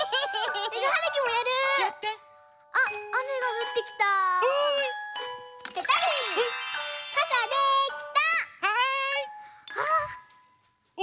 うん？あっあめがふってきた。